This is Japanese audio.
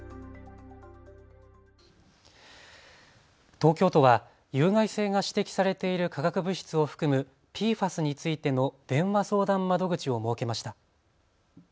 東京都は有害性が指摘されている化学物質を含むＰＦＡＳについての電話相談窓口を設けました。